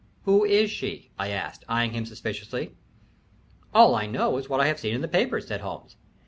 "Who is she?" I asked, eying him suspiciously. "All I know is what I have seen in the papers," said Holmes.